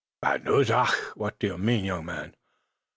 "Bad news? Ach! What do you mean, young man?"